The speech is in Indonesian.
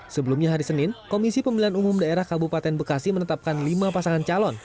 sebelumnya hari senin komisi pemilihan umum daerah kabupaten bekasi menetapkan lima pasangan calon